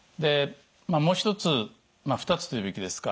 もう一つ２つというべきですか？